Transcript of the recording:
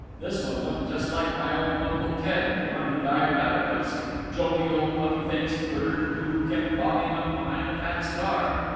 This one looked just like my old Uncle Ted, the one who died of apoplexy. Jovial, puffy faced bird, who kept bobbing up behind a fat cigar.